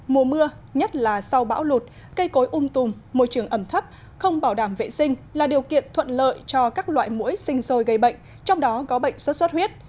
mùa mưa nhất là sau bão lụt cây cối ung tùng môi trường ẩm thấp không bảo đảm vệ sinh là điều kiện thuận lợi cho các loại mũi sinh sôi gây bệnh trong đó có bệnh xuất xuất huyết